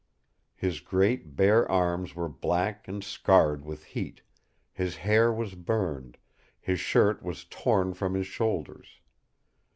His great, bare arms were black and scarred with heat; his hair was burned; his shirt was torn from his shoulders.